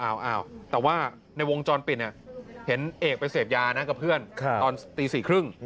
แต่ว่าในวงจรปิดเห็นเอกไปเสพยานะกับเพื่อนตอนตี๔๓๐